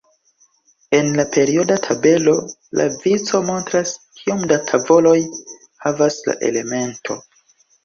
En la perioda tabelo, la vico montras, kiom da tavoloj havas la elemento.